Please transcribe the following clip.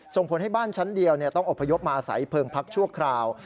ส่งผลให้บ้านชั้นเดียวต้องอบพยพมาอาศัยเพลิงพักชั่วคราว